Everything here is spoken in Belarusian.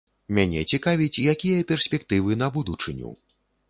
Мяне цікавіць, якія перспектывы на будучыню!